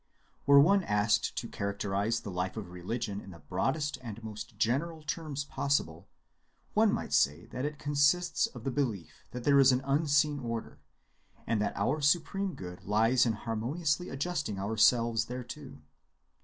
Were one asked to characterize the life of religion in the broadest and most general terms possible, one might say that it consists of the belief that there is an unseen order, and that our supreme good lies in harmoniously adjusting ourselves thereto.